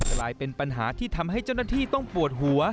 กลายเป็นปัญหาที่ทำให้เจ้าหน้าที่ต้องปวดหัว